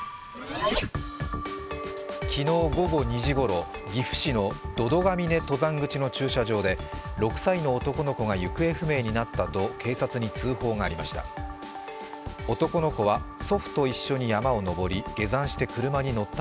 昨日午後２時ごろ、岐阜市の百々ヶ峰登山口の駐車場で６歳の男の子が行方不明になったと警察に通報がありました。